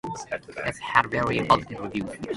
It has had very positive reviews.